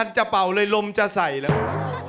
จะเป่าเลยลมจะใส่แล้ว